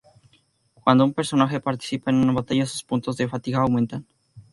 Cuando un personaje participa en una batalla, sus puntos de fatiga aumentan.